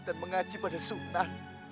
dan mengaji pada tuhan